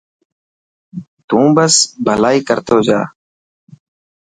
تون بس ڀلائ ڪر تو جا.